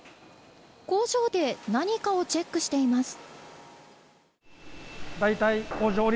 工場で何かをチェックしています。